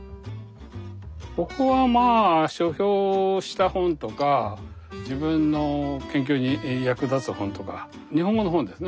ここはまぁ書評した本とか自分の研究に役立つ本とか日本語の本ですね